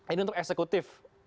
ini untuk eksekutif